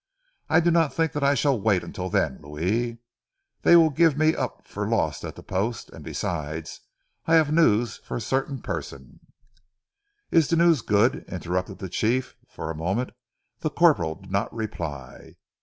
"I do not think that I shall wait until then, Louis. They will give me up for lost, at the post, and besides I have news for a certain person " "Is the news good?" interrupted the chief. For a moment the corporal did not reply.